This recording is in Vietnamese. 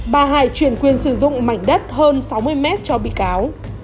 bà hải chuyển quyền sử dụng mảnh đất hơn sáu mươi m cho bị cáo